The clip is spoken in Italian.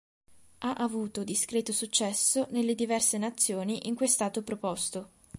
Ha avuto discreto successo nelle diverse nazioni in cui è stato proposto.